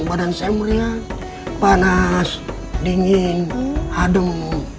badan saya meriah panas dingin hadung